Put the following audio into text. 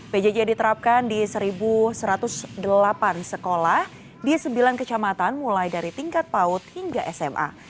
pjj diterapkan di satu satu ratus delapan sekolah di sembilan kecamatan mulai dari tingkat paut hingga sma